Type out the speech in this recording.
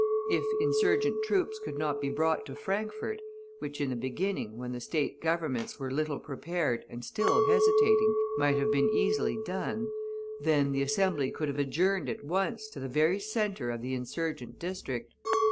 If insurgent troops could not be brought to Frankfort (which, in the beginning, when the State Governments were little prepared and still hesitating, might have been easily done), then the Assembly could have adjourned at once to the very center of the insurgent district.